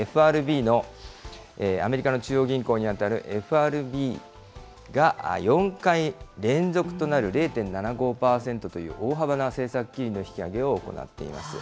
ＦＲＢの、アメリカの中央銀行に当たるＦＲＢが４回連続となる０．７５％という大幅な政策金利の引き上げを行っています。